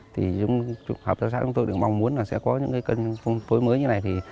thì trong trường hợp giáo sát chúng tôi cũng mong muốn là sẽ có những cái kênh phân phối mới như này